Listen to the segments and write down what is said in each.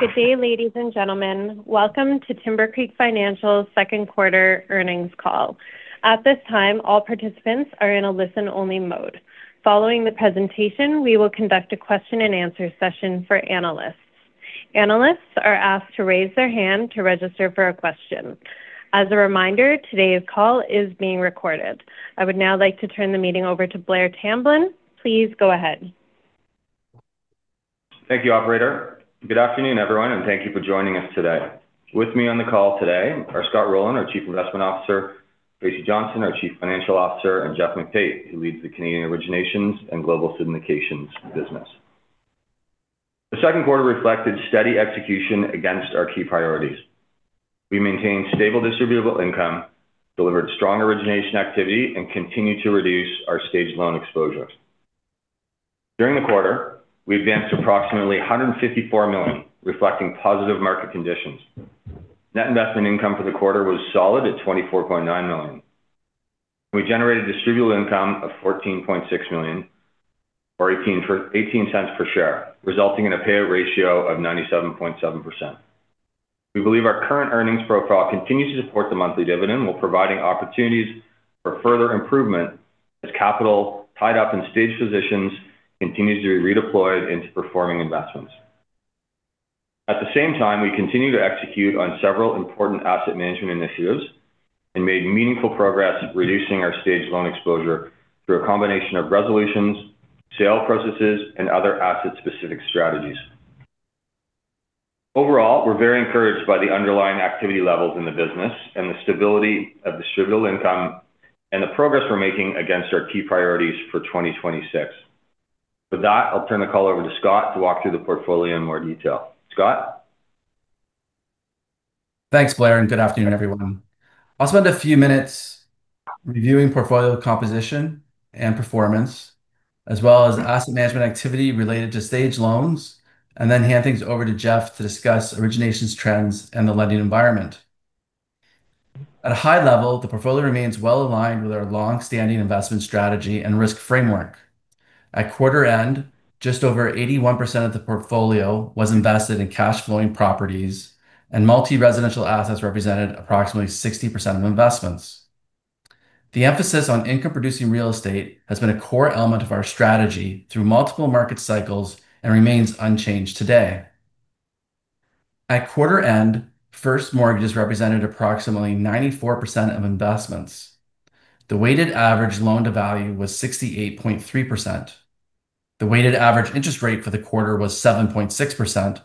Good day, ladies and gentlemen. Welcome to Timbercreek Financial's Second Quarter Earnings Call. At this time, all participants are in a listen-only mode. Following the presentation, we will conduct a question and answer session for analysts. Analysts are asked to raise their hand to register for a question. As a reminder, today's call is being recorded. I would now like to turn the meeting over to Blair Tamblyn. Please go ahead. Thank you, operator. Good afternoon, everyone, and thank you for joining us today. With me on the call today are Scott Rowland, our Chief Investment Officer, Tracy Johnston, our Chief Financial Officer, and Geoff McTait, who leads the Canadian Originations and Global Syndications business. The second quarter reflected steady execution against our key priorities. We maintained stable distributable income, delivered strong origination activity, and continued to reduce our staged loan exposures. During the quarter, we advanced approximately 154 million, reflecting positive market conditions. Net investment income for the quarter was solid at 24.9 million. We generated distributable income of 14.6 million or 0.18 per share, resulting in a payout ratio of 97.7%. We believe our current earnings profile continues to support the monthly dividend while providing opportunities for further improvement as capital tied up in staged positions continues to be redeployed into performing investments. At the same time, we continue to execute on several important asset management initiatives and made meaningful progress reducing our staged loan exposure through a combination of resolutions, sale processes, and other asset-specific strategies. Overall, we're very encouraged by the underlying activity levels in the business and the stability of distributable income and the progress we're making against our key priorities for 2026. With that, I'll turn the call over to Scott to walk through the portfolio in more detail. Scott? Thanks, Blair, and good afternoon, everyone. I'll spend a few minutes reviewing portfolio composition and performance, as well as asset management activity related to staged loans, and then hand things over to Geoff to discuss originations trends and the lending environment. At a high level, the portfolio remains well-aligned with our longstanding investment strategy and risk framework. At quarter end, just over 81% of the portfolio was invested in cash-flowing properties, and multi-residential assets represented approximately 60% of investments. The emphasis on income-producing real estate has been a core element of our strategy through multiple market cycles and remains unchanged today. At quarter end, first mortgages represented approximately 94% of investments. The weighted average loan-to-value was 68.3%. The weighted average interest rate for the quarter was 7.6%,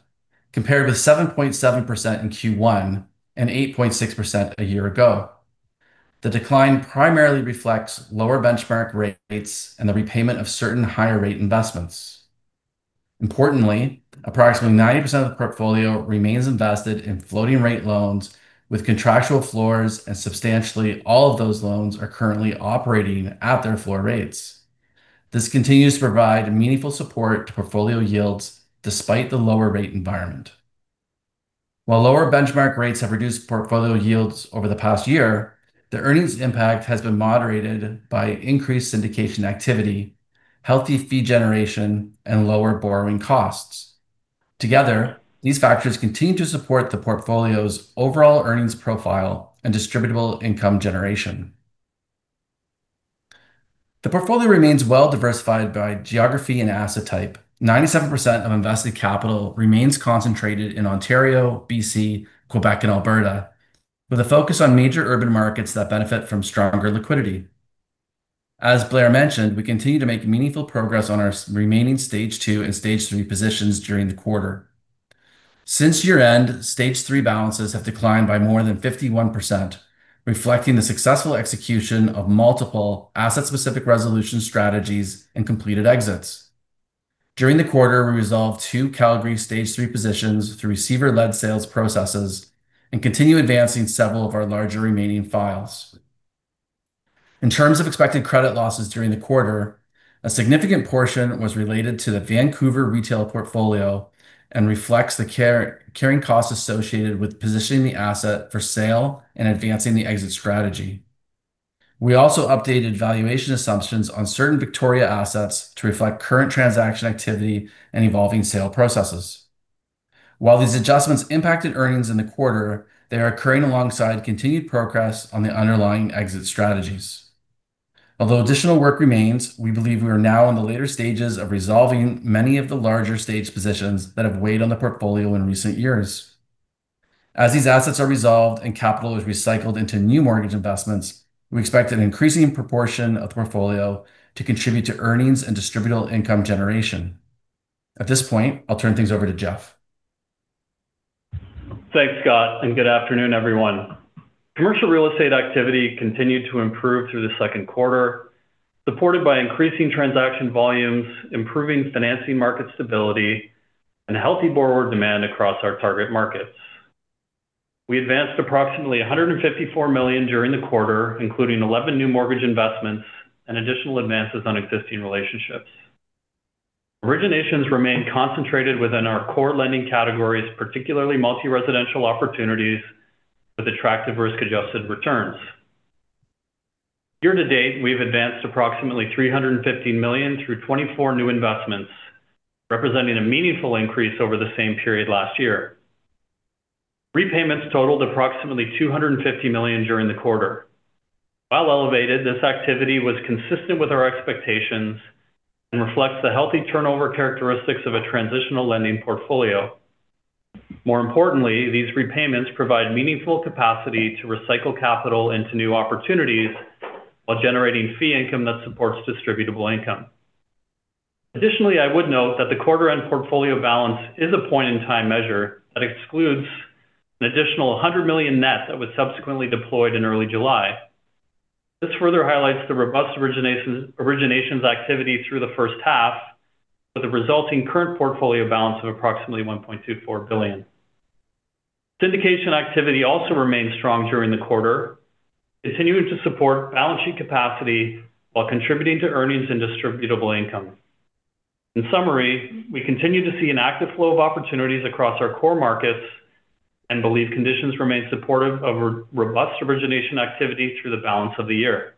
compared with 7.7% in Q1 and 8.6% a year ago. The decline primarily reflects lower benchmark rates and the repayment of certain higher-rate investments. Importantly, approximately 90% of the portfolio remains invested in floating-rate loans with contractual floors, and substantially all of those loans are currently operating at their floor rates. This continues to provide meaningful support to portfolio yields despite the lower rate environment. While lower benchmark rates have reduced portfolio yields over the past year, the earnings impact has been moderated by increased syndication activity, healthy fee generation, and lower borrowing costs. Together, these factors continue to support the portfolio's overall earnings profile and distributable income generation. The portfolio remains well-diversified by geography and asset type. 97% of invested capital remains concentrated in Ontario, BC, Quebec, and Alberta, with a focus on major urban markets that benefit from stronger liquidity. As Blair mentioned, we continue to make meaningful progress on our remaining stage 2 and stage 3 positions during the quarter. Since year-end, stage 3 balances have declined by more than 51%, reflecting the successful execution of multiple asset-specific resolution strategies and completed exits. During the quarter, we resolved two Calgary stage 3 positions through receiver-led sales processes and continue advancing several of our larger remaining files. In terms of expected credit losses during the quarter, a significant portion was related to the Vancouver retail portfolio and reflects the carrying costs associated with positioning the asset for sale and advancing the exit strategy. We also updated valuation assumptions on certain Victoria assets to reflect current transaction activity and evolving sale processes. While these adjustments impacted earnings in the quarter, they are occurring alongside continued progress on the underlying exit strategies. Although additional work remains, we believe we are now in the later stages of resolving many of the larger staged positions that have weighed on the portfolio in recent years. As these assets are resolved and capital is recycled into new mortgage investments, we expect an increasing proportion of the portfolio to contribute to earnings and distributable income generation. At this point, I'll turn things over to Geoff. Thanks, Scott, and good afternoon, everyone. Commercial real estate activity continued to improve through the second quarter, supported by increasing transaction volumes, improving financing market stability, and healthy borrower demand across our target markets. We advanced approximately 154 million during the quarter, including 11 new mortgage investments and additional advances on existing relationships. Originations remain concentrated within our core lending categories, particularly multi-residential opportunities with attractive risk-adjusted returns. Year-to-date, we've advanced approximately 350 million through 24 new investments, representing a meaningful increase over the same period last year. Repayments totaled approximately 250 million during the quarter. While elevated, this activity was consistent with our expectations and reflects the healthy turnover characteristics of a transitional lending portfolio. More importantly, these repayments provide meaningful capacity to recycle capital into new opportunities while generating fee income that supports distributable income. Additionally, I would note that the quarter-end portfolio balance is a point-in-time measure that excludes an additional 100 million net that was subsequently deployed in early July. This further highlights the robust originations activity through the first half with the resulting current portfolio balance of approximately 1.24 billion. Syndication activity also remained strong during the quarter, continuing to support balance sheet capacity while contributing to earnings and distributable income. In summary, we continue to see an active flow of opportunities across our core markets and believe conditions remain supportive of robust origination activity through the balance of the year.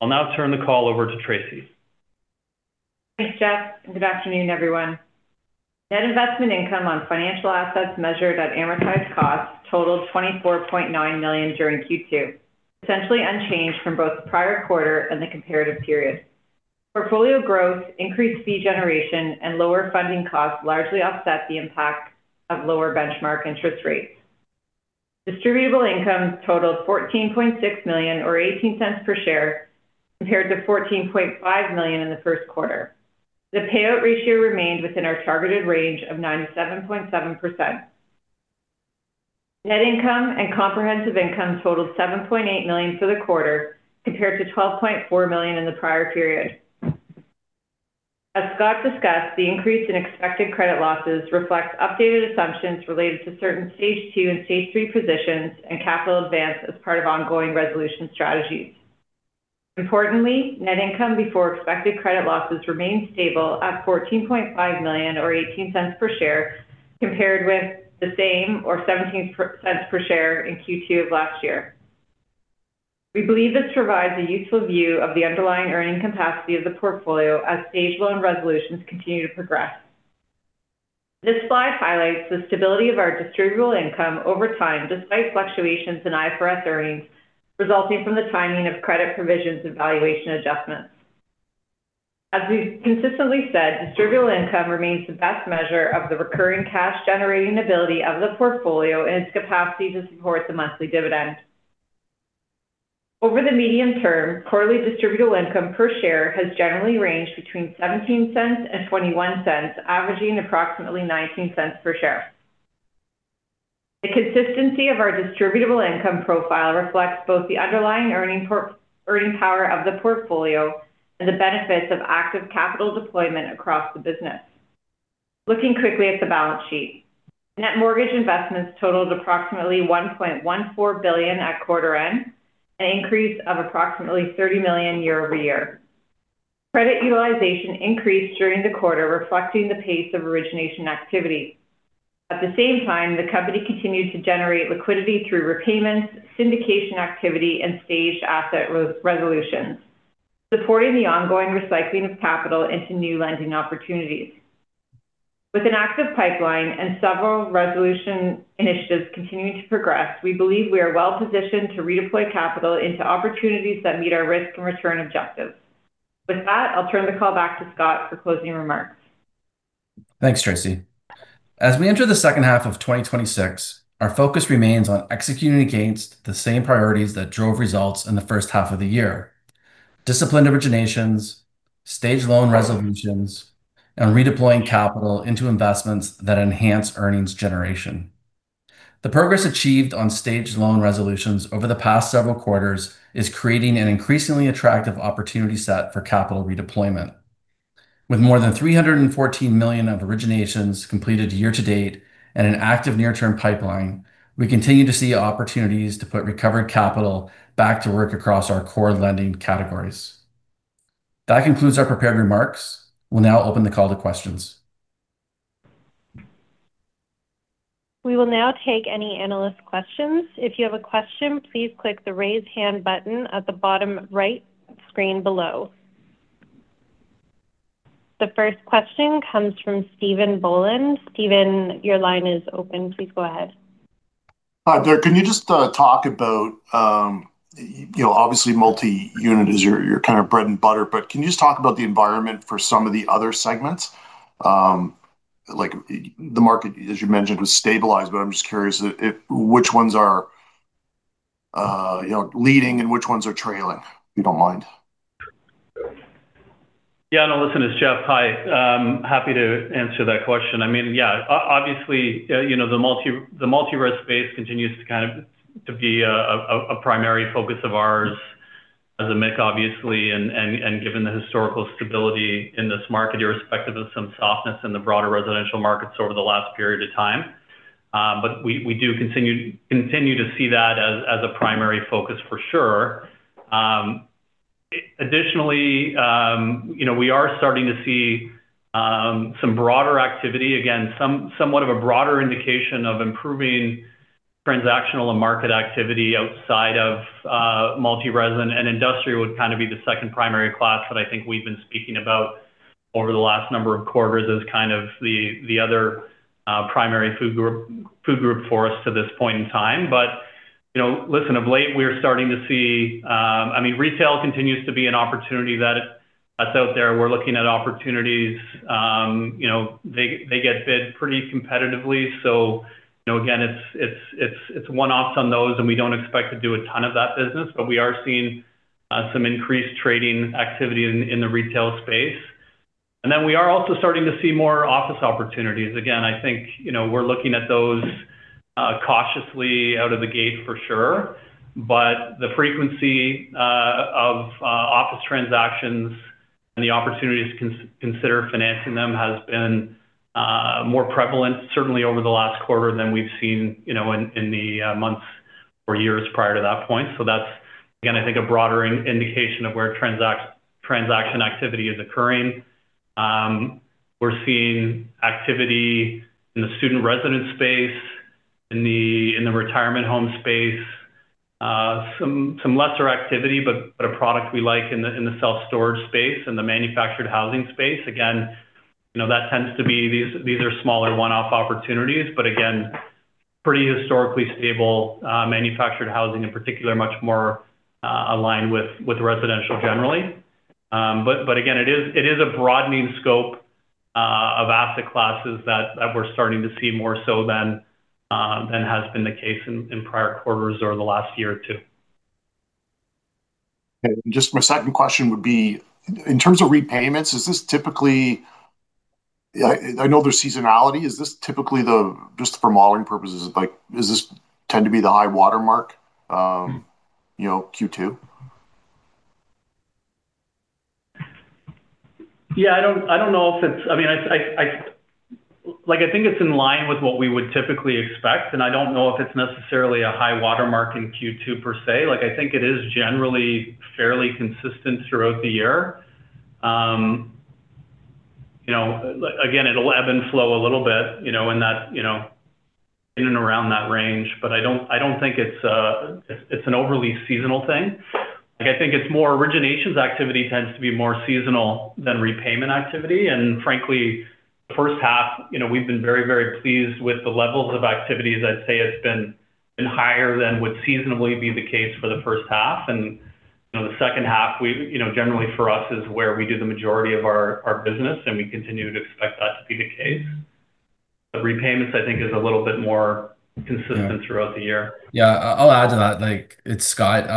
I'll now turn the call over to Tracy. Thanks, Geoff, and good afternoon, everyone. Net investment income on financial assets measured at amortized cost totaled 24.9 million during Q2, essentially unchanged from both the prior quarter and the comparative period. Portfolio growth, increased fee generation, and lower funding costs largely offset the impact of lower benchmark interest rates. Distributable income totaled 14.6 million, or 0.18 per share, compared to 14.5 million in the first quarter. The payout ratio remained within our targeted range of 97.7%. Net income and comprehensive income totaled 7.8 million for the quarter, compared to 12.4 million in the prior period. As Scott discussed, the increase in expected credit losses reflects updated assumptions related to certain Stage 2 and Stage 3 positions and capital advance as part of ongoing resolution strategies. Importantly, net income before expected credit losses remained stable at 14.5 million or 0.18 per share, compared with the same or 0.17 per share in Q2 of last year. We believe this provides a useful view of the underlying earning capacity of the portfolio as stage loan resolutions continue to progress. This slide highlights the stability of our distributable income over time, despite fluctuations in IFRS earnings resulting from the timing of credit provisions and valuation adjustments. As we've consistently said, distributable income remains the best measure of the recurring cash-generating ability of the portfolio and its capacity to support the monthly dividend. Over the medium term, quarterly distributable income per share has generally ranged between 0.17 and 0.21, averaging approximately 0.19 per share. The consistency of our distributable income profile reflects both the underlying earning power of the portfolio and the benefits of active capital deployment across the business. Looking quickly at the balance sheet, net mortgage investments totaled approximately 1.14 billion at quarter end, an increase of approximately 30 million year-over-year. Credit utilization increased during the quarter, reflecting the pace of origination activity. At the same time, the company continued to generate liquidity through repayments, syndication activity, and stage asset resolutions, supporting the ongoing recycling of capital into new lending opportunities. With an active pipeline and several resolution initiatives continuing to progress, we believe we are well positioned to redeploy capital into opportunities that meet our risk and return objectives. With that, I'll turn the call back to Scott for closing remarks. Thanks, Tracy. As we enter the second half of 2026, our focus remains on executing against the same priorities that drove results in the first half of the year: disciplined originations, stage loan resolutions, and redeploying capital into investments that enhance earnings generation. The progress achieved on stage loan resolutions over the past several quarters is creating an increasingly attractive opportunity set for capital redeployment. With more than 314 million of originations completed year-to-date and an active near-term pipeline, we continue to see opportunities to put recovered capital back to work across our core lending categories. That concludes our prepared remarks. We'll now open the call to questions. We will now take any analyst questions. If you have a question, please click the Raise Hand button at the bottom right screen below. The first question comes from Stephen Boland. Stephen, your line is open. Please go ahead. Hi there. Can you just talk about—obviously multi-unit is your kind of bread and butter, but can you just talk about the environment for some of the other segments? The market, as you mentioned, was stabilized, but I'm just curious which ones are leading and which ones are trailing, if you don't mind. Listen, it's Geoff. Hi. Happy to answer that question. Obviously, the multi-res space continues to be a primary focus of ours as a MIC, obviously, and given the historical stability in this market, irrespective of some softness in the broader residential markets over the last perIod of time. We do continue to see that as a primary focus for sure. Additionally, we are starting to see some broader activity. Again, somewhat of a broader indication of improving transactional and market activity outside of multi-resident, industrial would be the second primary class that I think we've been speaking about over the last number of quarters as the other primary food group for us to this point in time. Listen, of late, we're starting to see Retail continues to be an opportunity that's out there. We're looking at opportunities. They get bid pretty competitively, so again, it's one-offs on those, we don't expect to do a ton of that business. We are seeing some increased trading activity in the retail space. We are also starting to see more office opportunities. Again, I think, we're looking at those cautiously out of the gate for sure. The frequency of office transactions and the opportunities to consider financing them has been more prevalent, certainly over the last quarter than we've seen in the months or years prior to that point. That's, again, I think a broader indication of where transaction activity is occurring. We're seeing activity in the student residence space, in the retirement home space. Some lesser activity, but a product we like in the self-storage space and the manufactured housing space. Again, that tends to be these are smaller one-off opportunities, but again, pretty historically stable. Manufactured housing, in particular, much more aligned with residential generally. Again, it is a broadening scope of asset classes that we're starting to see more so than has been the case in prior quarters or the last year or two. Okay. Just my second question would be, in terms of repayments, I know there's seasonality, just for modeling purposes, does this tend to be the high watermark Q2? Yeah. I think it's in line with what we would typically expect, and I don't know if it's necessarily a high watermark in Q2 per se. I think it is generally fairly consistent throughout the year. It'll ebb and flow a little bit in and around that range, but I don't think it's an overly seasonal thing. I think it's more originations activity tends to be more seasonal than repayment activity. Frankly, the first half, we've been very, very pleased with the levels of activity. As I'd say, it's been higher than would seasonably be the case for the first half. The second half, generally for us, is where we do the majority of our business, and we continue to expect that to be the case. Repayments, I think, is a little bit more consistent throughout the year. Yeah, I'll add to that. It's Scott.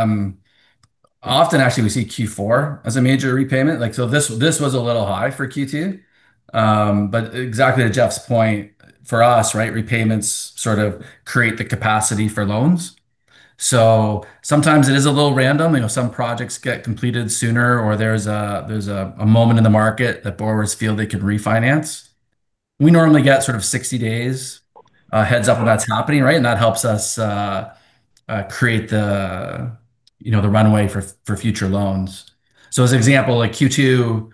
Often, actually, we see Q4 as a major repayment. This was a little high for Q2. Exactly to Geoff's point, for us, repayments sort of create the capacity for loans. Sometimes it is a little random. Some projects get completed sooner, or there's a moment in the market that borrowers feel they can refinance. We normally get sort of 60 days heads-up if that's happening, and that helps us create the runway for future loans. As an example, like Q2,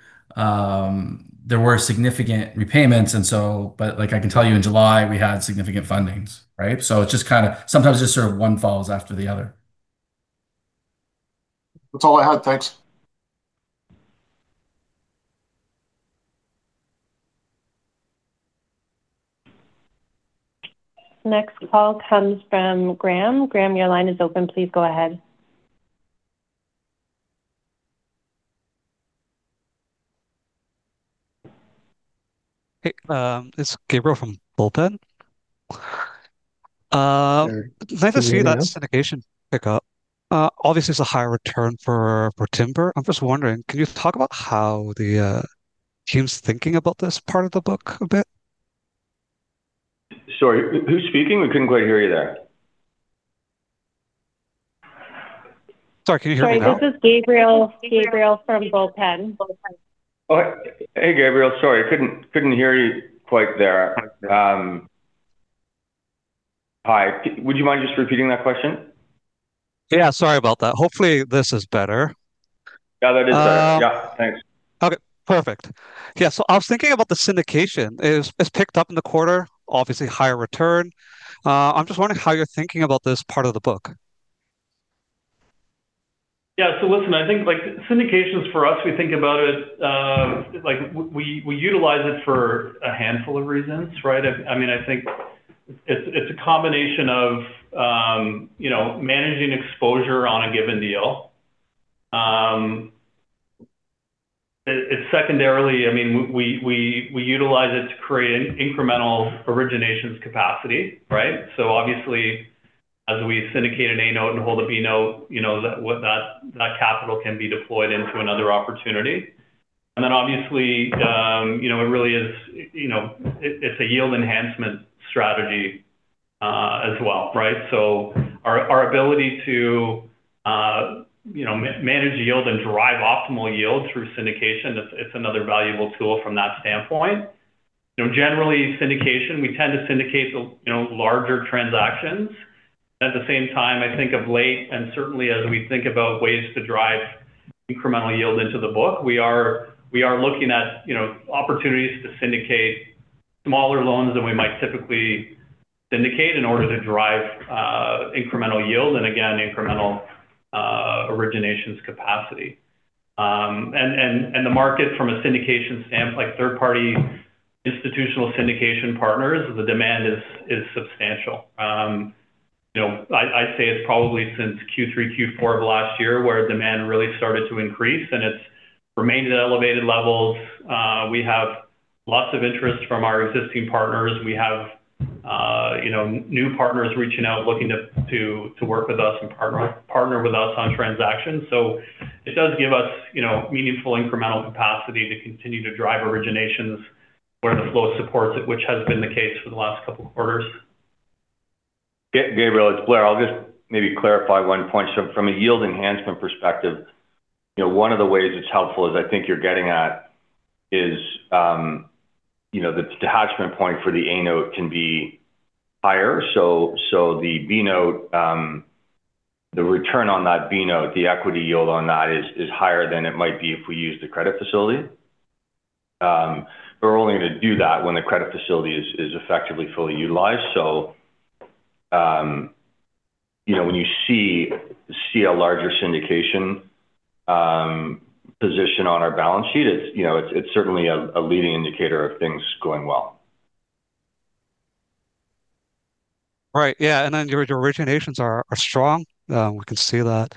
there were significant repayments. I can tell you in July, we had significant fundings, right? Sometimes just sort of one follows after the other. That's all I had. Thanks. Next call comes from Graham. Graham, your line is open. Please go ahead. Hey, this is Gabriel from Bullpen. Nice to see that syndication pick up. Obviously, it's a higher return for Timber. I'm just wondering, can you talk about how the team's thinking about this part of the book a bit? Sorry, who's speaking? We couldn't quite hear you there. Sorry, can you hear me now? Sorry, this is Gabriel from Bullpen. Oh, hey, Gabriel. Sorry, couldn't hear you quite there. I see. Hi. Would you mind just repeating that question? Yeah, sorry about that. Hopefully, this is better. Yeah, that is better. Yeah, thanks. Okay, perfect. Yeah, I was thinking about the syndication. It's picked up in the quarter, obviously higher return. I'm just wondering how you're thinking about this part of the book. Yeah. Listen, I think syndications for us, we think about it, we utilize it for a handful of reasons, right? I think it's a combination of managing exposure on a given deal. Secondarily, we utilize it to create an incremental originations capacity, right? Obviously, as we syndicate an A-note and hold a B-note, that capital can be deployed into another opportunity. Obviously, it's a yield enhancement strategy as well, right? Our ability to manage yield and drive optimal yield through syndication, it's another valuable tool from that standpoint. Generally syndication, we tend to syndicate the larger transactions. At the same time, I think of late, and certainly as we think about ways to drive incremental yield into the book, we are looking at opportunities to syndicate smaller loans than we might typically syndicate in order to drive incremental yield, and again, incremental originations capacity. The market from a syndication standpoint, like third-party institutional syndication partners, the demand is substantial. I say it's probably since Q3, Q4 of last year where demand really started to increase, and it's remained at elevated levels. We have lots of interest from our existing partners. We have new partners reaching out, looking to work with us and partner with us on transactions. It does give us meaningful incremental capacity to continue to drive originations where the flow supports it, which has been the case for the last couple of quarters. Gabriel, it's Blair. I'll just maybe clarify one point. From a yield enhancement perspective, one of the ways it's helpful is I think you're getting at is the detachment point for the A-note can be higher. The return on that B-note, the equity yield on that is higher than it might be if we used the credit facility. We're only going to do that when the credit facility is effectively fully utilized. When you see a larger syndication position on our balance sheet, it's certainly a leading indicator of things going well. Right. Yeah, then your originations are strong. We can see that.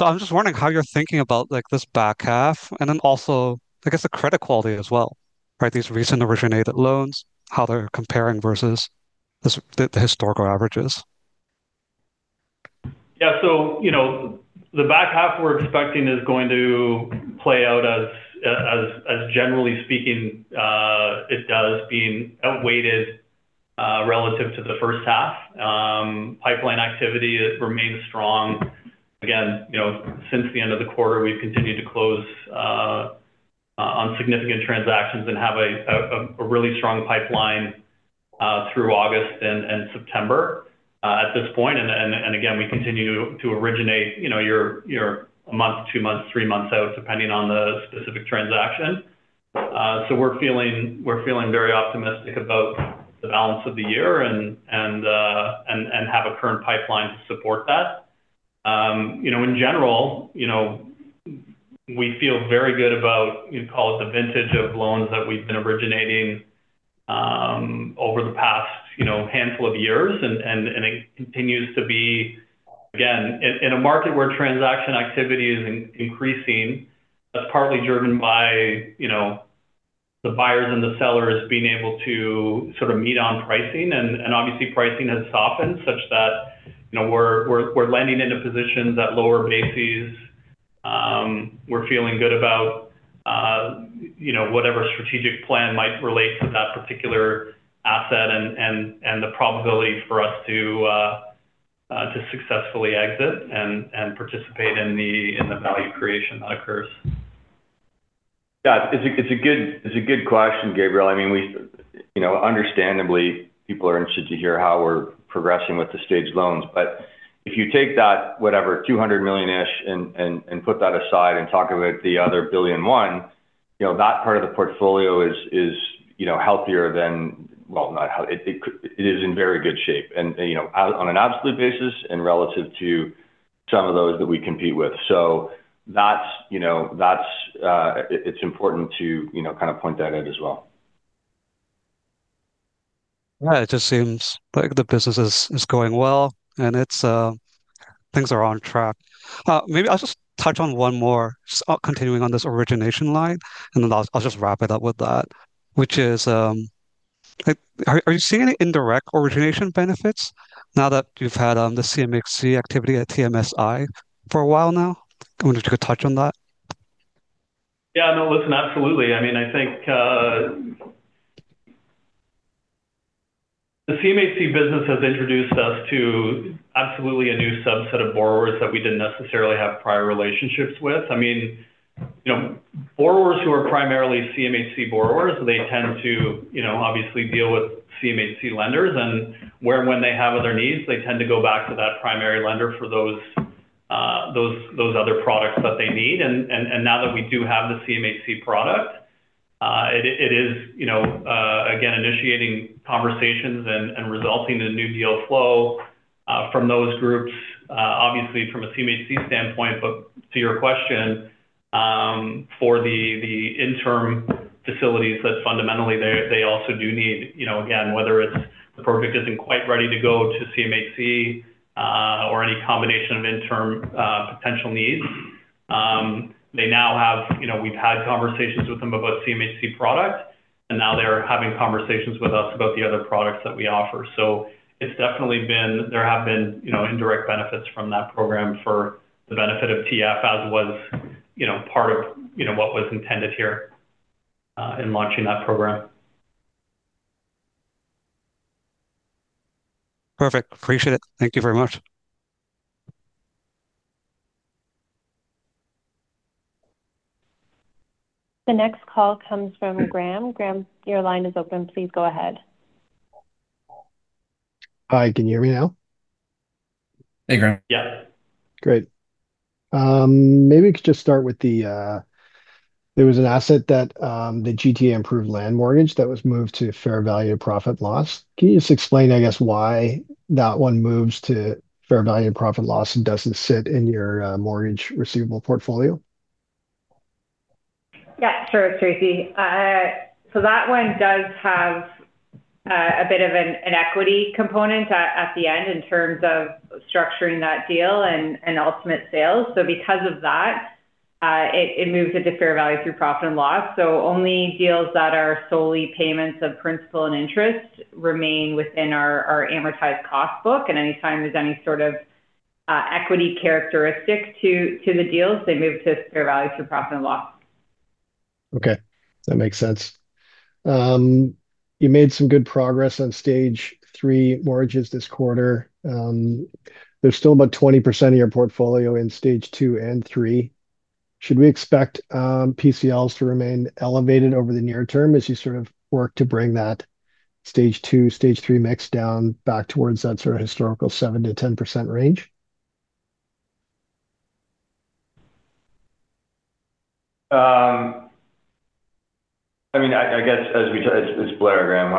I'm just wondering how you're thinking about this back half and then also, I guess, the credit quality as well. These recent originated loans, how they're comparing versus the historical averages. Yeah. The back half we're expecting is going to play out as generally speaking it does being outweighted relative to the first half. Pipeline activity remains strong. Again, since the end of the quarter, we've continued to close on significant transactions and have a really strong pipeline through August and September at this point. Again, we continue to originate your month, two months, three months out, depending on the specific transaction. We're feeling very optimistic about the balance of the year and have a current pipeline to support that. In general, we feel very good about, you call it the vintage of loans that we've been originating over the past handful of years, and it continues to be, again, in a market where transaction activity is increasing, that's partly driven by the buyers and the sellers being able to sort of meet on pricing. Obviously pricing has softened such that we're landing into positions at lower bases. We're feeling good about whatever strategic plan might relate to that particular asset and the probability for us to successfully exit and participate in the value creation that occurs. Yeah. It's a good question, Gabriel. Understandably, people are interested to hear how we're progressing with the stage loans. If you take that, whatever, 200 million-ish and put that aside and talk about the other 1 billion and one, that part of the portfolio is healthier than. Well, not healthy. It is in very good shape and on an absolute basis and relative to some of those that we compete with. It's important to kind of point that out as well. It just seems like the business is going well, and things are on track. I'll just touch on one more, just continuing on this origination line, and then I'll just wrap it up with that, which is, are you seeing any indirect origination benefits now that you've had the CMHC activity at TMSI for a while now? I wonder if you could touch on that. Listen, absolutely. I think the CMHC business has introduced us to absolutely a new subset of borrowers that we didn't necessarily have prior relationships with. Borrowers who are primarily CMHC borrowers, they tend to obviously deal with CMHC lenders, and where and when they have other needs, they tend to go back to that primary lender for those other products that they need. Now that we do have the CMHC product, it is again initiating conversations and resulting in new deal flow from those groups obviously from a CMHC standpoint. To your question, for the interim facilities that fundamentally they also do need, again, whether it's the product isn't quite ready to go to CMHC or any combination of interim potential needs. We've had conversations with them about CMHC product, and now they're having conversations with us about the other products that we offer. There have been indirect benefits from that program for the benefit of TF, as was part of what was intended here in launching that program. Perfect. Appreciate it. Thank you very much. The next call comes from Graham. Graham, your line is open. Please go ahead. Hi, can you hear me now? Hey, Graham. Yeah. Great. Maybe we could just start with There was an asset that the GTA Improved Land Mortgage that was moved to fair value profit loss. Can you just explain, I guess, why that one moves to fair value and profit loss and doesn't sit in your mortgage receivable portfolio? Yeah, sure, Tracy. That one does have a bit of an equity component at the end in terms of structuring that deal and ultimate sales. Because of that, it moves it to fair value through profit and loss. Only deals that are solely payments of principal and interest remain within our amortized cost book. Anytime there's any sort of equity characteristic to the deals, they move to fair value through profit and loss. Okay. That makes sense. You made some good progress on Stage 3 mortgages this quarter. There's still about 20% of your portfolio in Stage 2 and 3. Should we expect PCLs to remain elevated over the near term as you sort of work to bring that Stage 2, Stage 3 mix down back towards that sort of historical 7%-10% range? It's Blair, Graham.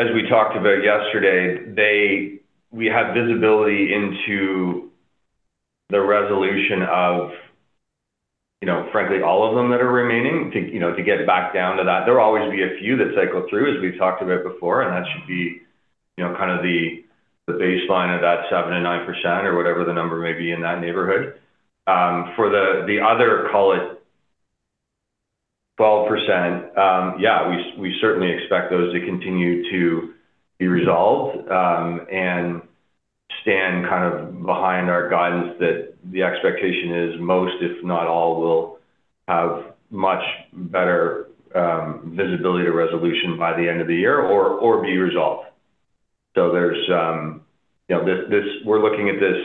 As we talked about yesterday, we have visibility into the resolution of frankly, all of them that are remaining to get back down to that. There will always be a few that cycle through, as we've talked about before, and that should be kind of the baseline of that 7%-9% or whatever the number may be in that neighborhood. For the other, call it 12%, yeah, we certainly expect those to continue to be resolved, and stand kind of behind our guidance that the expectation is most, if not all, will have much better visibility to resolution by the end of the year or be resolved. We're looking at this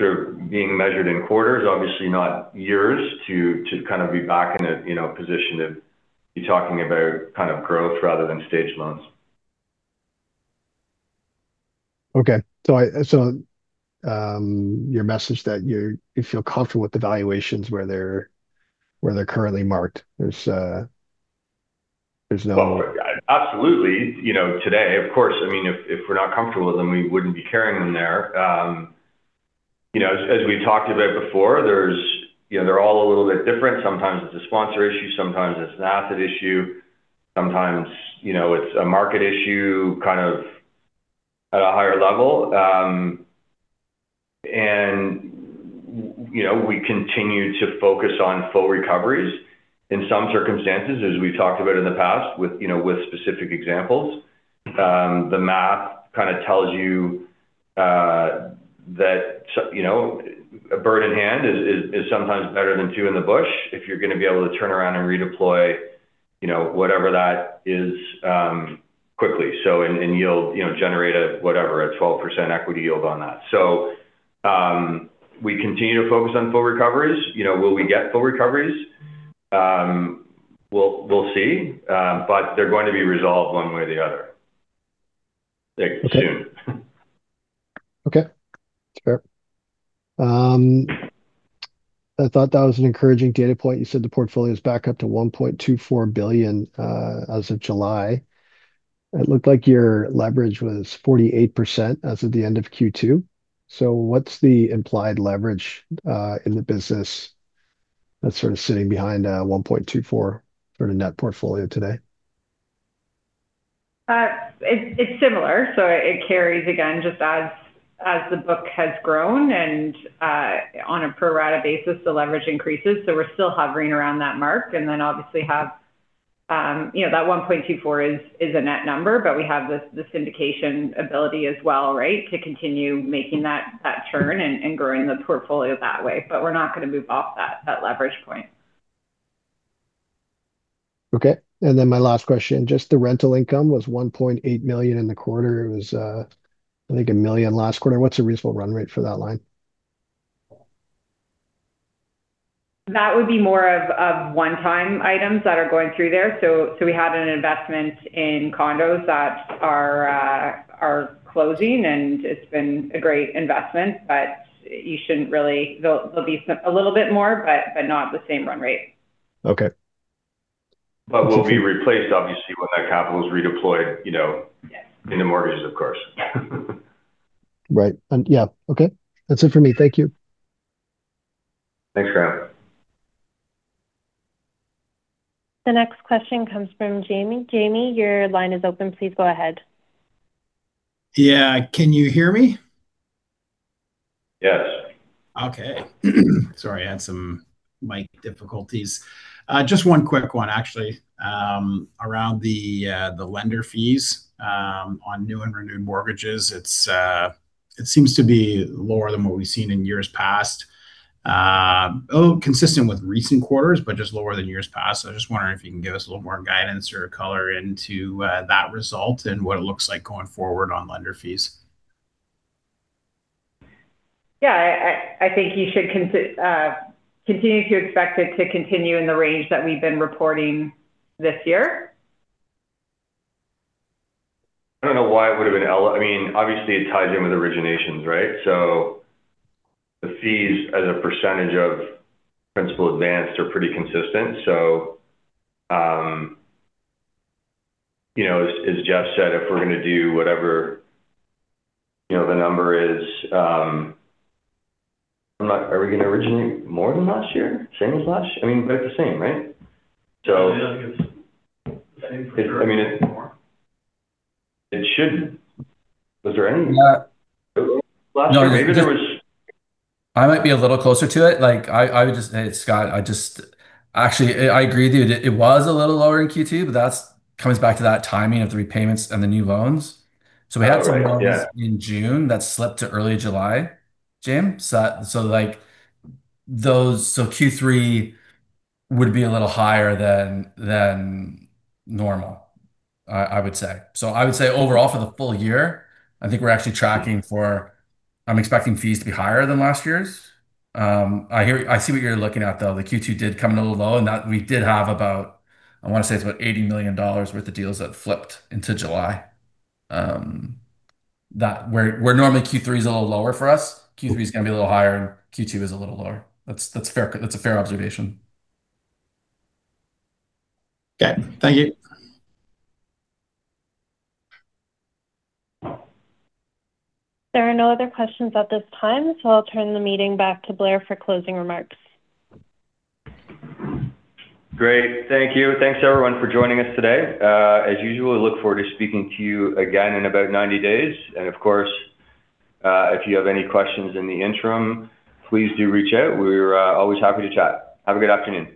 sort of being measured in quarters, obviously not years to kind of be back in a position to be talking about kind of growth rather than Stage loans. Okay. Your message that you feel comfortable with the valuations where they're currently marked. There's no. Oh, absolutely. Today, of course. If we're not comfortable with them, we wouldn't be carrying them there. As we talked about before, they're all a little bit different. Sometimes it's a sponsor issue, sometimes it's an asset issue, sometimes it's a market issue kind of at a higher level. We continue to focus on full recoveries. In some circumstances, as we've talked about in the past with specific examples, the math kind of tells you that a bird in hand is sometimes better than two in the bush if you're going to be able to turn around and redeploy whatever that is quickly. And yield, generate a whatever, a 12% equity yield on that. We continue to focus on full recoveries. Will we get full recoveries? We'll see. They're going to be resolved one way or the other. Soon. Okay. Fair. I thought that was an encouraging data point. You said the portfolio is back up to 1.24 billion as of July. It looked like your leverage was 48% as of the end of Q2. What's the implied leverage in the business that's sort of sitting behind 1.24 sort of net portfolio today? It's similar. It carries, again, just as the book has grown and on a pro rata basis, the leverage increases. We're still hovering around that mark and then obviously have that 1.24 is a net number, but we have the syndication ability as well, right, to continue making that churn and growing the portfolio that way. We're not going to move off that leverage point. Okay. My last question, just the rental income was 1.8 million in the quarter. It was, I think, 1 million last quarter. What's a reasonable run rate for that line? That would be more of one-time items that are going through there. We had an investment in condos that are closing, and it's been a great investment. You shouldn't. There'll be a little bit more, but not the same run rate. Okay. Will be replaced, obviously, when that capital is redeployed. Yes in the mortgages, of course. Right. Yeah. Okay. That's it for me. Thank you. Thanks, Graham. The next question comes from Jaeme. Jaeme, your line is open. Please go ahead. Yeah. Can you hear me? Yeah. Okay. Sorry, I had some mic difficulties. Just one quick one, actually, around the lender fees on new and renewed mortgages. It seems to be lower than what we've seen in years past. Oh, consistent with recent quarters, but just lower than years past. I was just wondering if you can give us a little more guidance or color into that result and what it looks like going forward on lender fees. Yeah, I think you should continue to expect it to continue in the range that we've been reporting this year. Obviously, it ties in with originations, right? The fees as a percentage of principal advanced are pretty consistent. As Geoff said, if we're going to do whatever the number is, are we going to originate more than last year? Same as last? About the same, right? I feel like it's the same for sure, maybe more. It should. No. Last year, maybe. I might be a little closer to it. Scott, actually, I agree with you. It was a little lower in Q2, but that comes back to that timing of the repayments and the new loans. Oh, right. Yeah. We had some loans in June that slipped to early July, Jaeme. Q3 would be a little higher than normal, I would say. I would say overall for the full year, I think we're actually tracking for, I'm expecting fees to be higher than last year's. I see what you're looking at, though. The Q2 did come in a little low, and we did have about, I want to say it's about 80 million dollars worth of deals that flipped into July. Where normally Q3 is a little lower for us, Q3 is going to be a little higher, and Q2 is a little lower. That's a fair observation. Okay. Thank you. There are no other questions at this time. I'll turn the meeting back to Blair for closing remarks. Great. Thank you. Thanks, everyone, for joining us today. As usual, look forward to speaking to you again in about 90 days. Of course, if you have any questions in the interim, please do reach out. We're always happy to chat. Have a good afternoon.